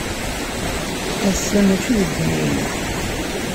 Ass-a maci d letniyen.